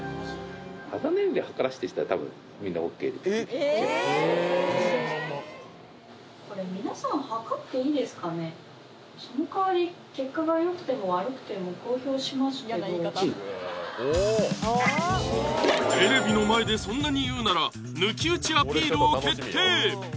えっ自信満々そのかわりテレビの前でそんなに言うなら抜き打ちアピールを決定